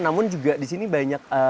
namun juga di sini banyak